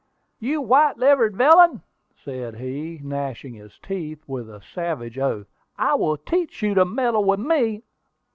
"You white livered villain!" said he, gnashing his teeth, with a savage oath, "I will teach you to meddle with me!"